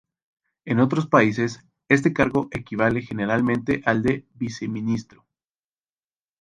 En otros países, este cargo equivale generalmente al de Viceministro.